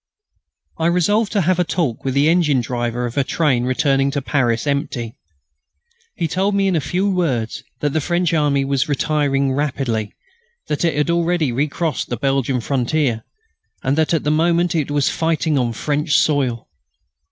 I resolved to have a talk with the engine driver of a train returning to Paris empty. He told me in a few words that the French army was retreating rapidly, that it had already recrossed the Belgian frontier, and that at that moment it was fighting on French soil.